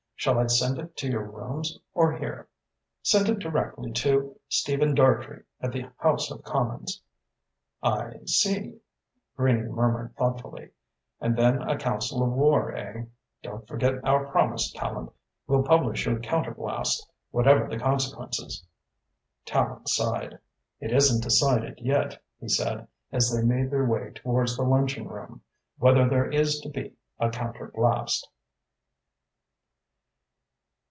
"Shall I send it to your rooms or here?" "Send it direct to Stephen Dartrey at the House of Commons." "I see," Greening murmured thoughtfully, "and then a council of war, eh? Don't forget our promise, Tallente. We'll publish your counterblast, whatever the consequences." Tallente sighed. "It isn't decided yet," he said, as they made their way towards the luncheon room, "whether there is to be a counterblast."